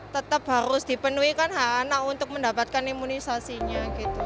tetap harus dipenuhi kan anak untuk mendapatkan imunisasinya